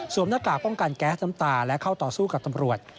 หน้ากากป้องกันแก๊สน้ำตาและเข้าต่อสู้กับตำรวจ